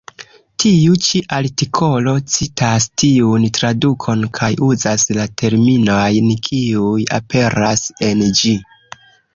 Tiu ĉi artikolo citas tiun tradukon kaj uzas la terminojn, kiuj aperas en ĝi.